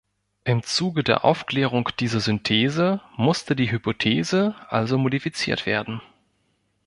Im Zuge der Aufklärung dieser Synthese musste die Hypothese also modifiziert werden.